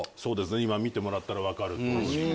今見てもらったら分かるとおり。